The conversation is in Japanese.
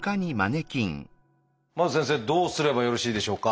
まず先生どうすればよろしいでしょうか？